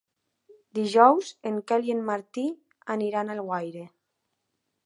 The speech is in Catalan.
Dijous en Quel i en Martí aniran a Alguaire.